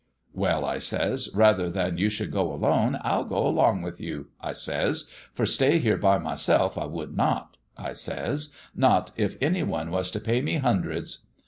'Well,' I says, 'rather than you should go alone, I'll go along with you,' I says, 'for stay here by myself I would not,' I says, 'not if any one was to pay me hundreds.'